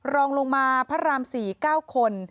รองลงมาพระราม๔๙คน